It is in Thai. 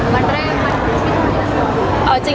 วันแรกคือวันที่๑๔ค่ะ